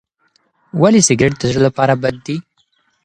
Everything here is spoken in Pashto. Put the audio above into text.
ولې سګریټ د زړه لپاره بد دی؟